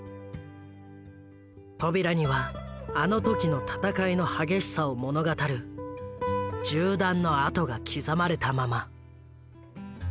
扉にはあの時の戦いの激しさを物語る銃弾の痕が刻まれたまま。